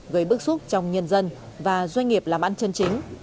gây bức xúc trong nhân dân và doanh nghiệp làm ăn chân chính